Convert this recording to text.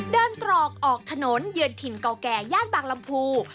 เดินตรอกออกขนน้นเยือนถิ่นเก่าแก่ย่านบางลำภู